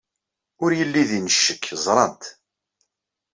Ur yelli din ccekk ẓrant.